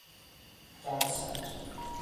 دما سنج